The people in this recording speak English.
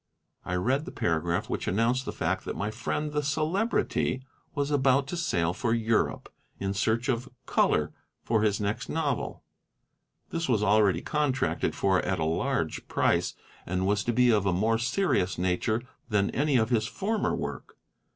I read the paragraph, which announced the fact that my friend the Celebrity was about to sail for Europe in search of "color" for his next novel; this was already contracted for at a large price, and was to be of a more serious nature than any of his former work.